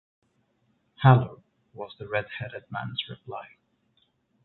‘Hallo!’ was the red-headed man’s reply.